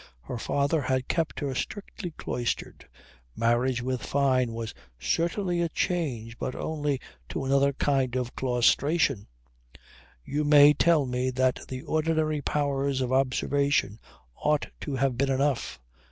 Her father had kept her strictly cloistered. Marriage with Fyne was certainly a change but only to another kind of claustration. You may tell me that the ordinary powers of observation ought to have been enough.